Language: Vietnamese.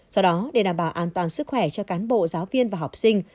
do đó để đảm bảo an toàn sức khỏe cho cán bộ giáo viên và học sinh